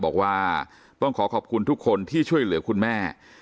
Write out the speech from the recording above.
บอกว่าต้องขอขอบคุณทุกคนที่ช่วยเหลือคุณแม่